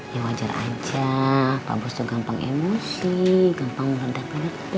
ya wajar aja pak bos tuh gampang emosi gampang meredak redak